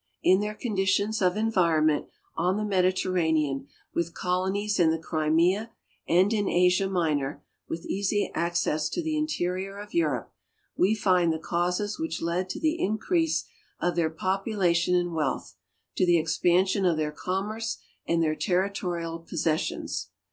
In their conditions of environment on the Mediterranean, with colonies in the Crimea and in Asia Minor, with easy access to the interior of Europe, we find the causes which led to the increase of their population and wealth, to the expansion of their commerce and their territorial possessions.